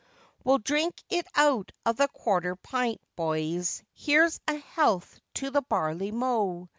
We'll drink it out of the half a pint, boys, Here's a health to the barley mow!